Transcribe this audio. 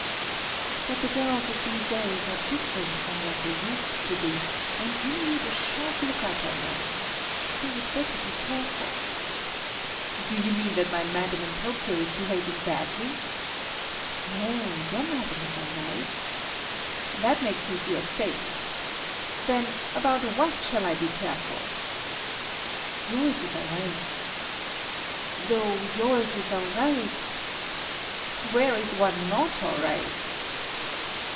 "But the girls of these days are different from what they used to be and you need a sharp look out on them. So you'd better be careful." "Do you mean that my Madam in Tokyo is behaving badly?" "No, your Madam is all right." "That makes me feel safe. Then about what shall I be careful?" "Yours is all right. Though yours is all right……." "Where is one not all right?"